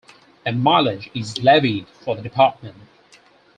A millage is levied for the department.